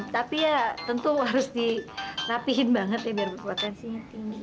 tapi ya tentu harus dirapihin banget ya biar potensinya tinggi